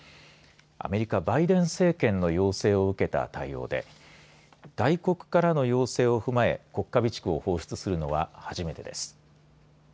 アメリカ、バイデン政権の要請を受けた対応で外国からの要請を踏まえ国家備蓄を放出するのは初めてです。